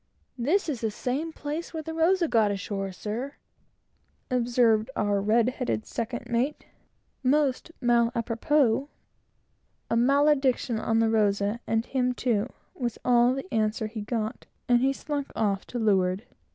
"This is the same place where the Rosa got ashore," observed the redheaded second mate, most mal a propos. A malediction on the Rosa, and him too, was all the answer he got, and he slunk off to leeward.